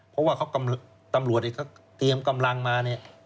เพราะว่าตำรวจเขาเตรียมกำลังมาเนี่ย